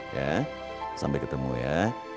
ya sampai ketemu ya